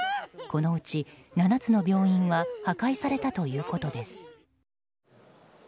このうち７つの病院は破壊されたということです。